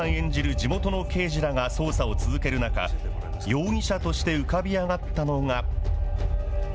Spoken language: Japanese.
地元の刑事らが捜査を続ける中、容疑者として浮かび上がったのが。